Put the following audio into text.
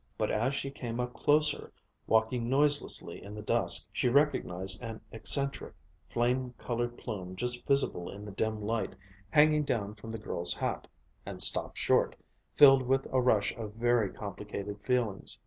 But as she came up closer, walking noiselessly in the dusk, she recognized an eccentric, flame colored plume just visible in the dim light, hanging down from the girl's hat and stopped short, filled with a rush of very complicated feelings.